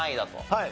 はい。